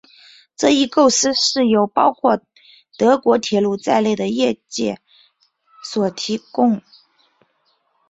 这一构思是由包括德国铁路在内的业界所提供。